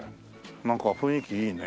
なんか雰囲気いいね。